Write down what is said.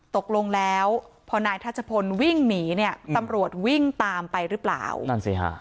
ตกลงแล้วพอนายทัชพลวิ่งหนีเนี่ยตำรวจวิ่งตามไปหรือเปล่านั่นสิฮะ